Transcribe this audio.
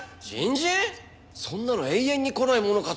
そんなの永遠に来ないものかと。